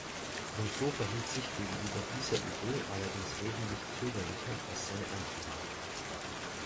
Rousseau verhielt sich gegenüber dieser Idee allerdings wesentlich zögerlicher als seine Anhänger.